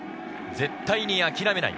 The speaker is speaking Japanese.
絶対に諦めない。